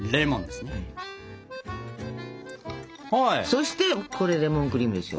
そしてこれでレモンクリームですよ。